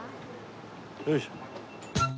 よいしょ。